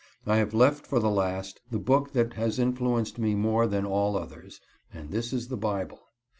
I have left for the last the book that has influenced me more than all others, and this is the Bible.